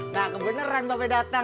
nah kebeneran babe datang